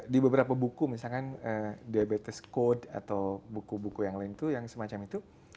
di beberapa buku misalkan diabetes code atau buku buku yang lain itu yang semacam itu